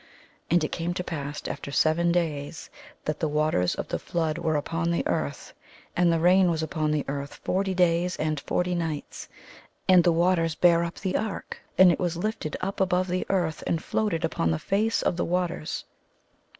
And it came to pass after seven days, that the waters of the flood were upon the earth, and the rain was upon the earth forty days and forty nights. And the waters bare up the ark and it was Hfted up above the earth and floated upon the face of the waters.